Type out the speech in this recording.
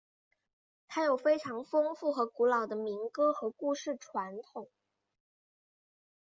它有非常丰富和古老的民歌和故事传统。